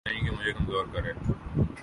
کسی میں جرات نہیں کہ مجھے کمزور کر سکے